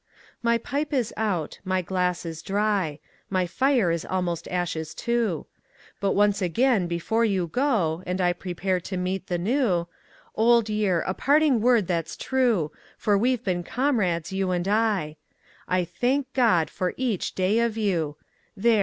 My pipe is out, my glass is dry; My fire is almost ashes too; But once again, before you go, And I prepare to meet the New: Old Year! a parting word that's true, For we've been comrades, you and I I THANK GOD FOR EACH DAY OF YOU; There!